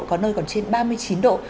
có nơi còn trên ba mươi chín độ